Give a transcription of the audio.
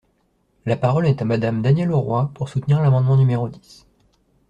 La parole est à Madame Danielle Auroi, pour soutenir l’amendement numéro dix.